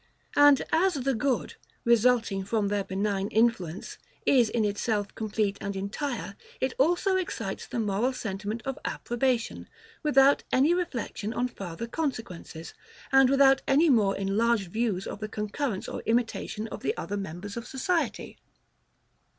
And as the good, resulting from their benign influence, is in itself complete and entire, it also excites the moral sentiment of approbation, without any reflection on farther consequences, and without any more enlarged views of the concurrence or imitation of the other members of society.